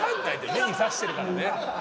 目に刺してるからね。